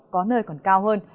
có nơi còn cao hơn